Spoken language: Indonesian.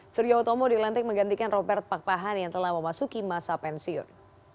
suryo utomo dilantik menggantikan robert pakpahan yang telah memasuki masa pensiun